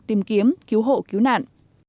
tìm kiếm cứu hộ cứu nạn